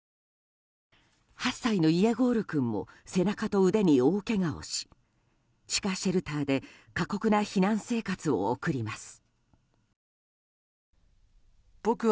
８歳のイエゴール君も背中と腕に大けがをし地下シェルターで過酷な避難生活を送ります。